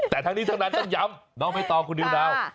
แต่ทั้งนี้ทั้งนั้นต้องย้ำไม่ต้องคุณนิวด่าว